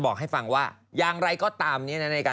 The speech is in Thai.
บอกว่าเอามาทำไม